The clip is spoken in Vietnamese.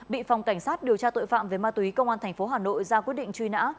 bị phòng cảnh sát điều tra tội phạm về ma túy công an tp hà nội ra quyết định truy nã